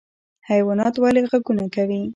حیوانات ولې غږونه کوي؟